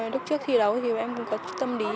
lúc trước thi đấu thì em cũng có tâm lý